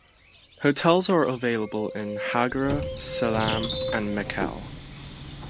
Hotels are available in Hagere Selam and Mekelle.